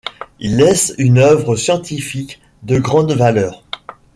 Il laisse une œuvre scientifique de grande valeur.